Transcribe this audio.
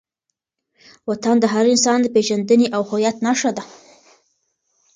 وطن د هر انسان د پېژندنې او هویت نښه ده.